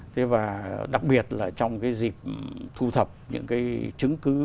thế và đặc biệt là trong cái dịp thu thập những cái chứng cứ